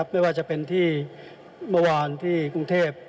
ไม่ว่าจะเป็นที่เมื่อวานที่กรุงเทพ